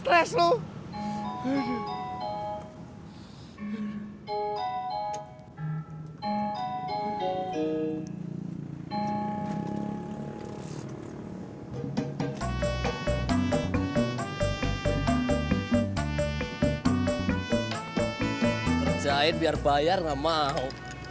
kerjain biar bayar enggak mau